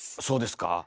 そうですか？